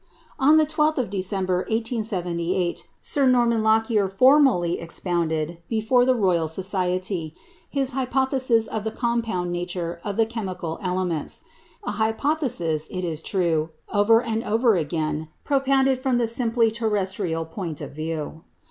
On the 12th of December, 1878, Sir Norman Lockyer formally expounded before the Royal Society his hypothesis of the compound nature of the "chemical elements." An hypothesis, it is true, over and over again propounded from the simply terrestrial point of view.